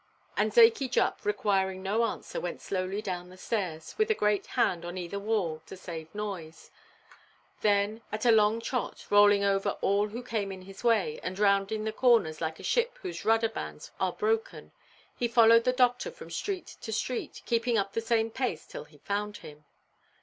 And Zakey Jupp, requiring no answer, went slowly down the stairs, with a great hand on either wall to save noise; then at a long trot, rolling over all who came in his way, and rounding the corners, like a ship whose rudder–bands are broken, he followed the doctor from street to street, keeping up the same pace till he found him.